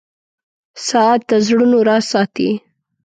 • ساعت د زړونو راز ساتي.